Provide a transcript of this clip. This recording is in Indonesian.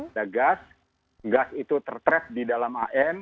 ada gas gas itu tertras di dalam an